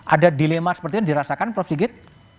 ada dilema seperti yang dirasakan prof sigit